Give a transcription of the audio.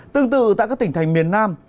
tương tự tại các tỉnh thành miền nam